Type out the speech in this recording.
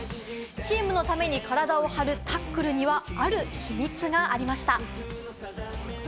チームのために体を張るタックルにはある秘密がありました。